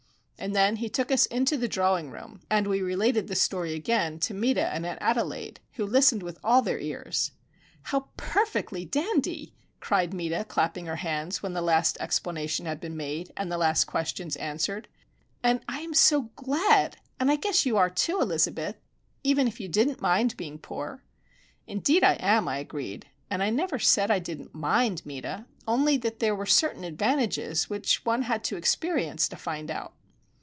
And then he took us into the drawing room, and we related the story again to Meta and Aunt Adelaide, who listened with all their ears. "How perfectly dandy!" cried Meta, clapping her hands when the last explanation had been made, and the last question answered. "Oh, I am so glad, and I guess you are, too, Elizabeth,—even if you didn't mind being poor!" "Indeed I am," I agreed. "And I never said I didn't mind, Meta;—only that there were certain advantages which one had to experience to find out."